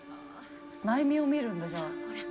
内面を見るんだじゃあ。